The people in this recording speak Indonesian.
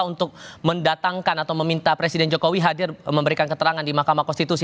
untuk mendatangkan atau meminta presiden jokowi hadir memberikan keterangan di mahkamah konstitusi